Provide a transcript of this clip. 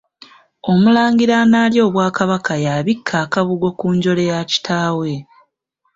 Omulangira analya Obwakabaka y’abikka akabugo ku njole ya kitaawe.